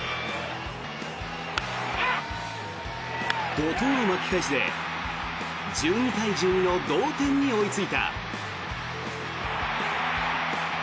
怒とうの巻き返しで１２対１２の同点に追いついた。